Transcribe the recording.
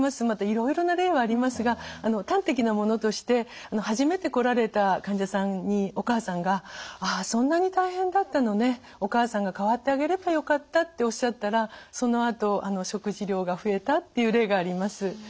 またいろいろな例はありますが端的なものとして初めて来られた患者さんにお母さんが「ああそんなに大変だったのねお母さんが代わってあげればよかった」っておっしゃったらそのあと食事量が増えたっていう例があります。